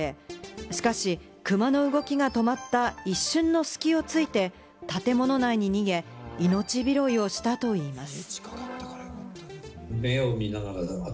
しかし、クマの動きが止まった一瞬の隙を突いて、建物内に逃げ、命拾いをしたといいます。